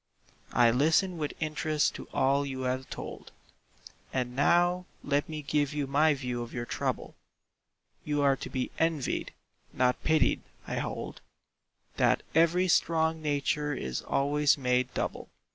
I listen with interest to all you have told, And now let me give you my view of your trouble: You are to be envied, not pitied; I hold That every strong nature is always made double.